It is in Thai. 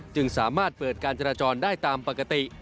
จึงสามารถเปิดการจราจรได้ตามปกติ